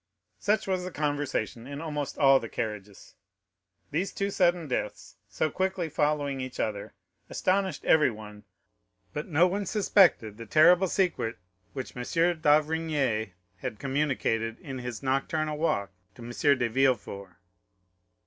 40024m Such was the conversation in almost all the carriages; these two sudden deaths, so quickly following each other, astonished everyone, but no one suspected the terrible secret which M. d'Avrigny had communicated, in his nocturnal walk to M. de Villefort.